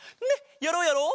やろうやろう！